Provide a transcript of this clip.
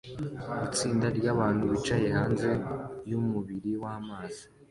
Itsinda ryabantu bicaye hanze yumubiri wamazi